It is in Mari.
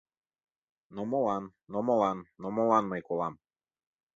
Но молан, но молан, но молан мый колам